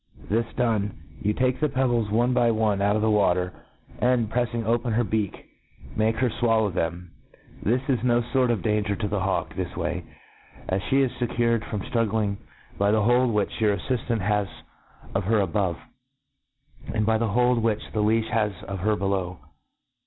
This done, you take the pebbles one by one outof the wateryand^preffingopenherbeak^ make her fwallow them. There is no fort of dan ger to the hawk this way, as fhe is fecured from ftruggling by the hold which your aififtant has of her above, and by the hold which the leafli has of her below.